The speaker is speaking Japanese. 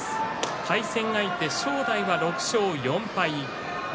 対戦相手、正代は６勝４敗。